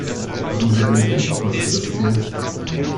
Haben Sie einen Impfpass für das Tier?